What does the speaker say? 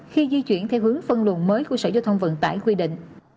khi di chuyển theo hướng phân luồng mới của sở giao thông vận tải quy định